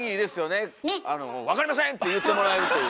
「わかりません！」って言ってもらえるという。